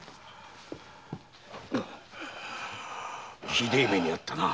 ひでえ目に遭ったな